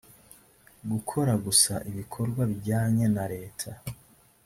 gukora gusa ibikorwa bijyanye na reta.